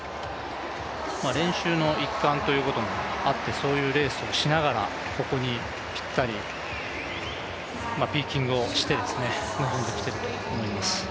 練習の一環ということもあって、そういうレースもしながらここにピッタリ、ピーキングをして臨んできていると思います。